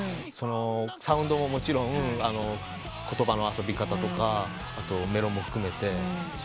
サウンドももちろん言葉の遊び方とかメロも含めて。